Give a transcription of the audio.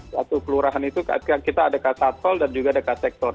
satu kelurahan itu kita ada katatol dan juga ada katektor